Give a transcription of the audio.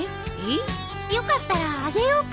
よかったらあげようか？